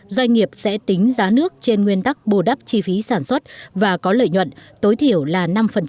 doanh nghiệp sẽ tính giá nước trên nguyên tắc bù đắp chi phí sản xuất và có lợi nhuận tối thiểu là năm